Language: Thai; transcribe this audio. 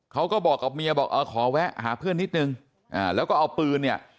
เขาก็บอกกับเมียบอกเออขอแวะหาเพื่อนนิดนึงแล้วก็เอาปืนเนี่ย